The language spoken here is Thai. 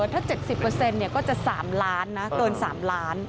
ถ้า๗๐ก็จะ๓ล้านนะเกิน๓ล้าน